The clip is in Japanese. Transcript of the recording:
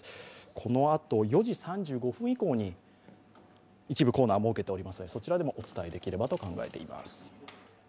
このあと４時３５分以降に一部コーナーを設けておりますのでそちらでもお伝えできればと考えています。